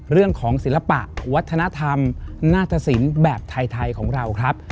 เรื่องของศิลปะวัฒนธรรมนาฏศิลป์แบบไทยไทยของเราครับ